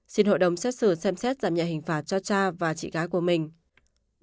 xin hội đồng xét xử xem xét giảm nhẹ hình phạt cho cha và chị gái của mình